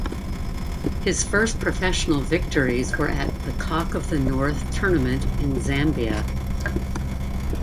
His first professional victories were at the Cock of the North tournament in Zambia.